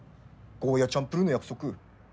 ゴーヤーチャンプルーの約束。